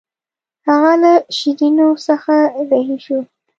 هغه له شیرینو څخه رهي شو.